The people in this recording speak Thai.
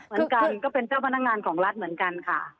เหมือนกันก็เป็นเจ้าพนักงานของรัฐเหมือนกันค่ะ